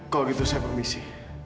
kalau gitu saya permisi